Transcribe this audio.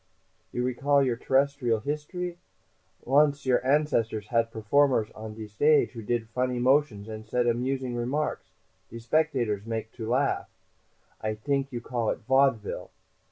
"You recall your terrestrial history? Once your ancestors had performers on the stage who did funny motions and said amusing remarks, de spectators to make laugh. I t'ink you called it 'vaudeville.'